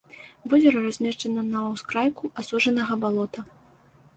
Возера размешчана на ўскрайку асушанага балота.